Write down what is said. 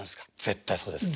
絶対そうですね。